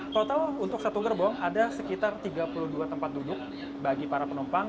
total untuk satu gerbong ada sekitar tiga puluh dua tempat duduk bagi para penumpang